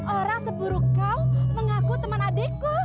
orang seburu kau mengaku teman adikku